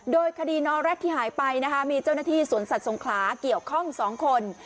โดยคดีนอแร็ดที่หายไปนะคะมีเจ้าหน้าที่สวนสัตว์สงขลาเกี่ยวข้อง๒คน